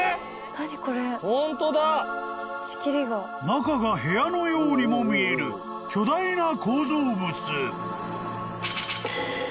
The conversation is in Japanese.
［中が部屋のようにも見える巨大な構造物］